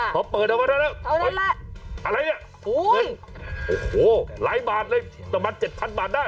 พอเปิดเอามาอะไรเนี่ยโอ้โหหลายบาทเลยสำหรับ๗๐๐๐บาทได้